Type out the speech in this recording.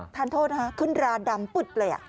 ทานโทษนะครับขึ้นร้านดำปึดเลย